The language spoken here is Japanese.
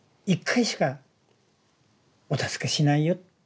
１回しかお助けしないよ。